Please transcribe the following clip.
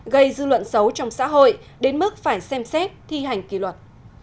gây dư luận xấu trong xã hội đến mức phải xem xét thi hành kỳ luật